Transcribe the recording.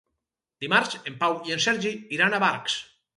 Dimarts en Pau i en Sergi iran a Barx.